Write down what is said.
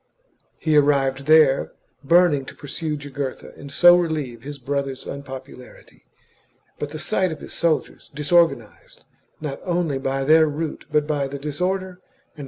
He arrived there, burning to pursue J ugurtha and so relieve his brother's unpopularity, but the sight of his soldiers, disorganised l66 THE JUGURTHINE WAR. CHAP, not only by their route but by the disorder and XXXIX.